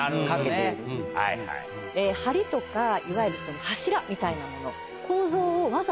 梁とかいわゆる柱みたいなもの。